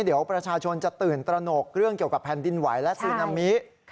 เดี๋ยวประชาชนจะตื่นตระหนกเรื่องเกี่ยวกับแผ่นดินไหวและซึนามิ